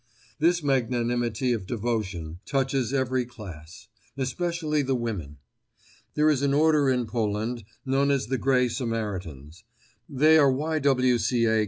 This magnanimity of devotion, touches every class—especially the women. There is an order in Poland known as the Gray Samaritans. They are Y. W. C. A.